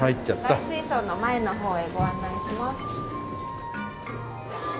大水槽の前の方へご案内します。